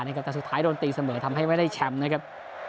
แต่สุดท้ายโดนตีเสมอทำให้ไม่ได้แชมป์นะครับ